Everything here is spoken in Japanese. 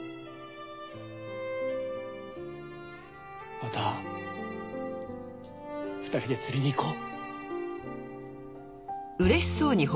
また２人で釣りに行こう。